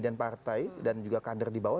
dan partai dan juga kader di bawah